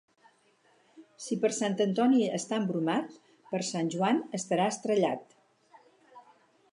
Si per Sant Antoni està embromat, per Sant Joan estarà estrellat.